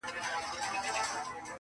ناموسي دودونه اصل ستونزه ده ښکاره-